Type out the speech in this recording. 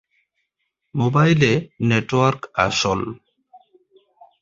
মোবাইলে নেটওয়ার্ক আসল।